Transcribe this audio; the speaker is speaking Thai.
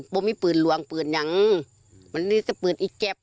บ่มีปืนหลวงปืนอย่างมันมีสะปืนอีกแจ๊บ